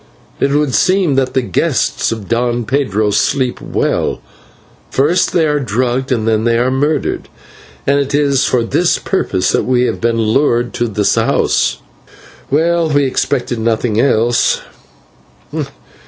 It would seem that the guests of Don Pedro sleep well; first they are drugged, then they are murdered; and it is for this purpose that we have been lured to the house. Well, we expected nothing else."